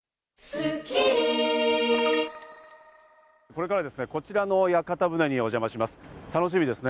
これからですね、こちらの屋形船にお邪魔します。